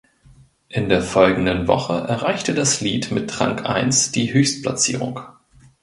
In der folgenden Woche erreichte das Lied mit Rang eins die Höchstplatzierung.